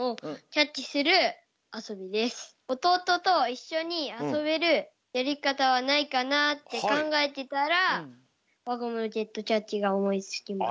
おとうとといっしょにあそべるやりかたはないかなってかんがえてたらわゴムロケットキャッチがおもいつきました。